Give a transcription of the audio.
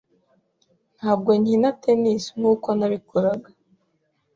Ntabwo nkina tennis nkuko nabikoraga.